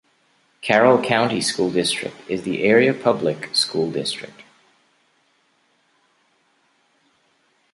Carroll County School District is the area public school district.